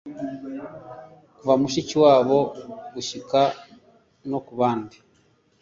kuva Mushikiwabo gushyika no kubandi